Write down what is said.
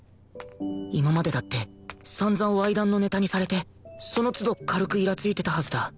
今までだって散々わい談のネタにされてその都度軽くイラついてたはずだ